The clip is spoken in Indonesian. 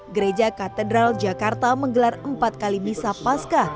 gereja katedral jakarta menggelar empat kali misa pasca